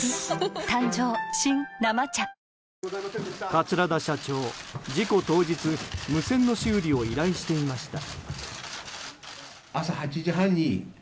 桂田社長、事故当日無線の修理を依頼していました。